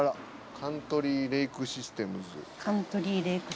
カントリーレイクシステムズ。